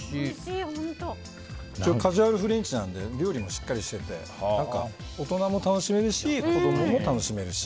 カジュアルフレンチなので料理もしっかりしてて大人も楽しめるし子供も楽しめるし。